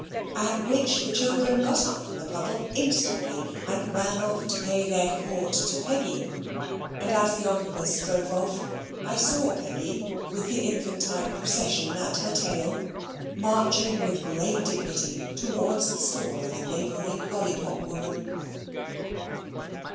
At which the children got up from the puddle instantly, and ran off to pay their court to Peggy. And as the omnibus drove off I saw Peggy with the infantine procession at her tail, marching with great dignity towards the stall of a neighbouring lollipop woman.